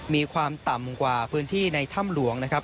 มีความต่ำกว่าพื้นที่ในถ้ำหลวงนะครับ